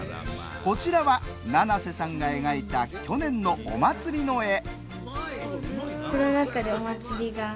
こちらは七星さんが描いた去年のお祭りの絵。